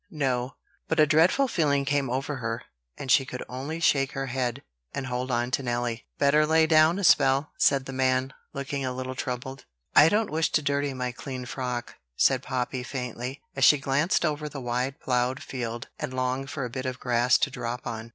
no;" but a dreadful feeling came over her, and she could only shake her head, and hold on to Nelly. "Better lay down a spell," said the man, looking a little troubled. "I don't wish to dirty my clean frock," said Poppy faintly, as she glanced over the wide ploughed field, and longed for a bit of grass to drop on.